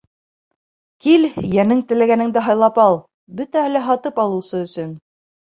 Кил, йәнең теләгәнеңде һайлап ал — бөтәһе лә һатып алыусы өсөн.